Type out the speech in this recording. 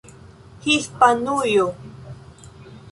Hispanujo